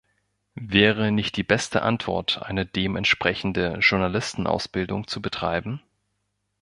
Wäre nicht die beste Antwort, eine dementsprechende Journalistenausbildung zu betreiben?